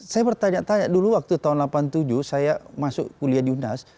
saya bertanya tanya dulu waktu tahun seribu sembilan ratus delapan puluh tujuh saya masuk kuliah di unas